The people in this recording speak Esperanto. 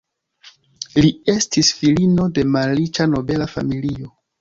Li estis filino de malriĉa nobela familio.